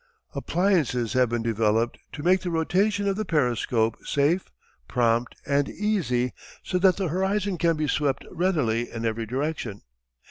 Appliances have been developed to make the rotation of the periscope safe, prompt, and easy so that the horizon can be swept readily in every direction.